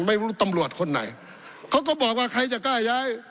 ไม่รู้ตำรวจคนไหนเขาก็บอกว่าใครจะกล้าย้าย